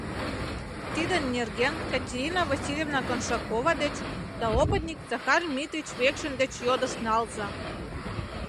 Тидын нерген Катерина Васильевна Коншакова деч да опытник Захар Митрич Векшин деч йодышт налза.